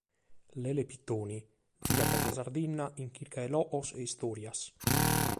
Lele Pittoni girat sa Sardigna in chirca de logos e istòrias.